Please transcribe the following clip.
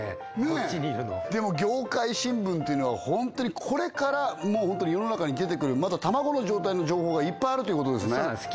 こっちにいるのでも業界新聞っていうのはホントにこれからもうホントに世の中に出てくるまだ卵の状態の情報がいっぱいあるということですねそうなんです